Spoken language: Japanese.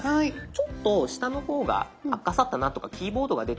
ちょっと下の方があかさたなとかキーボードが出てる。